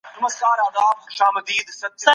که څوک له ډلې بېل سي خطر دی.